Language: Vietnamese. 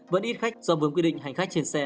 vẫn ít khách do vướng quy định hành khách trên xe